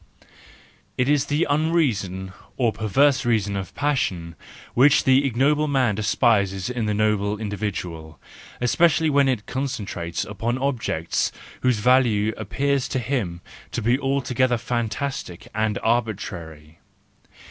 It is the unreason, or perverse reason of passion, which the ignoble man despises in the noble individual, especially when it con¬ centrates upon objects whose value appears to him to be altogether fantastic and arbitrary.